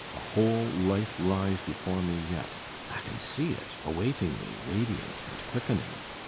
A whole life lies before me yet. I can see it awaiting me, radiant and quickening.